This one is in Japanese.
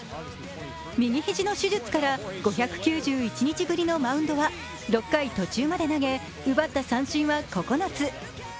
右肘の手術から５９１日ぶりのマウンドは、６回途中まで投げ奪った三振は９つ。